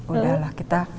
udah lah kita